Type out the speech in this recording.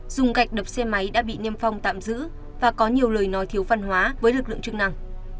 dùng gạch đập xe máy đã bị niêm phong tạm giữ và có nhiều lời nói thiếu văn hóa với lực lượng chức năng